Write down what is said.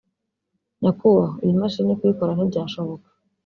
“nyakubahwa iyi mashini kuyikora ntibyashoboka